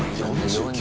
４９。